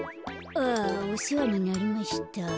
あおせわになりました。